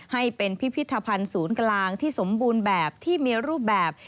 ให้เป็นพิพิธภัณฑ์ศูนย์กลางที่สมบูรณ์แบบที่มีรูปแบบ